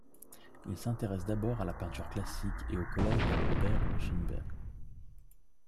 Il s’intéresse d'abord à la peinture classique et aux collages de Robert Rauschenberg.